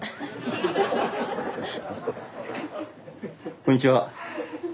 こんにちは。